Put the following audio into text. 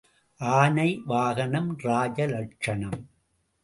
ஆனை வாகனம் ராஜ லட்சணம்.